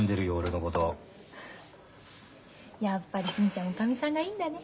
やっぱり銀ちゃんおかみさんがいいんだね。